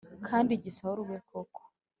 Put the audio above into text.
kandi gisahurwe koko